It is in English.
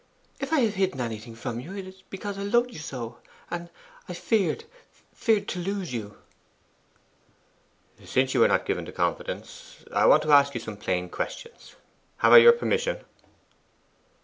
If I have hidden anything from you, it has been because I loved you so, and I feared feared to lose you.' 'Since you are not given to confidence, I want to ask you some plain questions. Have I your permission?